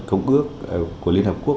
công ước của liên hợp quốc